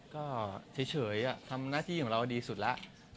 ก็เฉยทำหน้าที่ของเราดีสุดแล้ว